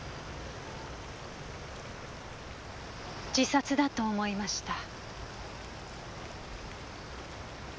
自殺だと思いました。